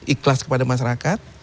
ikhlas kepada masyarakat